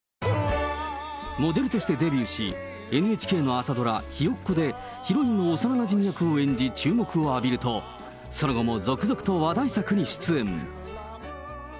モデルとしてデビューし、ＮＨＫの朝ドラ、ひよっこでヒロインの幼なじみ役を演じ注目を浴びると、その後も続々と話題作に出演。